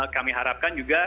kami harapkan juga